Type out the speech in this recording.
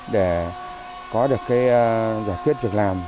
để có được cái giải quyết việc làm